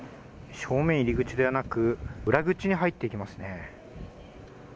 正面入り口ではなく、裏口に入っていきますね。